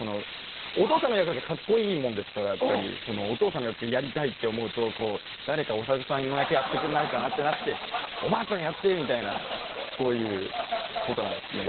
お父さんの役がカッコイイもんですからお父さんの役やりたいって思うと誰かお猿さんの役やってくんないかなってなっておばあちゃんやってみたいなそういうことなんすね。